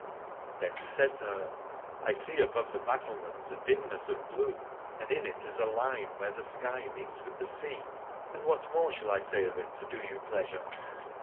Then he said to her, I see above the battlements a dimness of blue, and in it is a line where the sky meets with the sea : and what more shall I say of it to do you pleasure